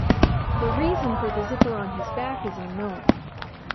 The reason for the zipper on his back is unknown.